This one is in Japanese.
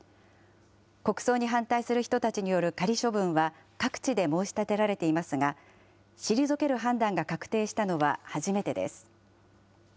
国葬に反対する人たちによる仮処分は、各地で申し立てられていますが、退ける判断が確定したのは初めてです。